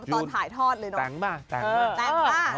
ตอนถ่ายทอดเลยตั้งปะ